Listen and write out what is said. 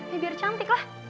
ya biar cantik lah